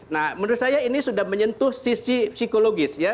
nah menurut saya ini sudah menyentuh sisi psikologis ya